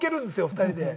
２人で。